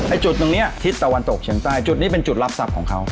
จุดตรงนี้ทิศตะวันตกเฉียงใต้จุดนี้เป็นจุดรับทรัพย์ของเขา